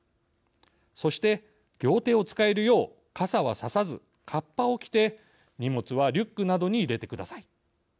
そして、両手を使えるよう傘はささず、カッパを着て荷物はリュックなどに入れてください。